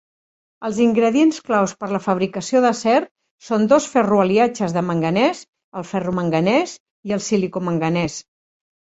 Els ingredients clau per a la fabricació d'acer són dos ferroaliatges de manganès, el ferromanganès i el silicomanganès.